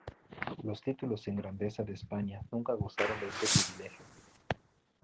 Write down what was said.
Los títulos sin Grandeza de España nunca gozaron de este privilegio.